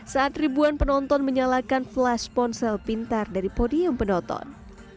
saat ribuan penonton menyalakan flash ponsel pintar dari podium penonton